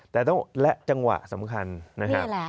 แต่ต้องและจังหวะสำคัญนะครับ